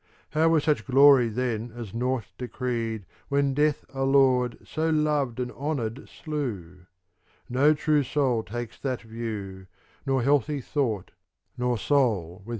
How were such glory then as nought de creed When Death a lord so loved and honoured slew ? No true soul takes that view, ^ Nor healthy thought, nor soul with vision clear. *' Comp. £■/. V.